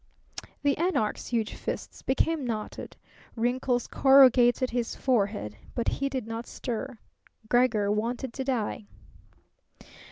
The anarch's huge fists became knotted; wrinkles corrugated his forehead; but he did not stir. Gregor wanted to die.